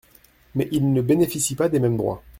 Mais ils ne bénéficient pas des mêmes droits.